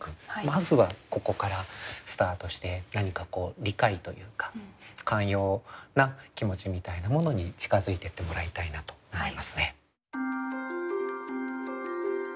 まずはここからスタートして何かこう理解というか寛容な気持ちみたいなものに近づいていってもらいたいなと思いますね。